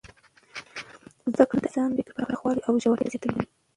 زده کړه د انسان د فکر پراخوالی او ژورتیا زیاتوي.